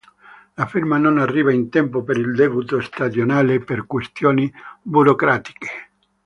La firma non arriva in tempo per il debutto stagionale per questioni burocratiche.